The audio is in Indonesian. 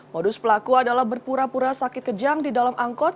modus pelaku adalah berpura pura sakit kejang di dalam angkot